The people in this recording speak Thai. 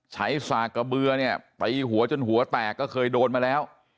สากกระเบือเนี่ยไปหัวจนหัวแตกก็เคยโดนมาแล้ว